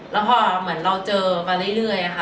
แล้วพอเหมือนเราเจอมาเรื่อยค่ะ